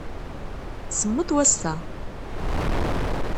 Semmeḍ wass-a.